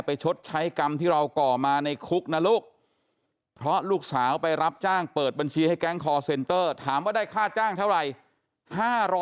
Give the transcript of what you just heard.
ถามว่าได้ค่าจ้างเท่าไหร่